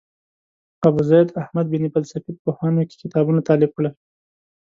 ابوزید احمد بن فلسفي په پوهنو کې کتابونه تالیف کړل.